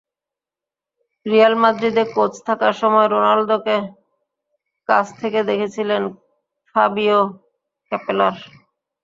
Real মাদ্রিদে coach থাকার সময় রোনালদোকে কাছ থেকে দেখেছিলেন ফাবিও ক্যাপেলোর।